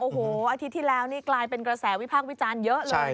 โอ้โหอาทิตย์ที่แล้วนี่กลายเป็นกระแสวิพากษ์วิจารณ์เยอะเลย